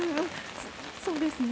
そうですね。